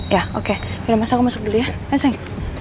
ya oke udah masa gue masuk dulu ya ayo sayang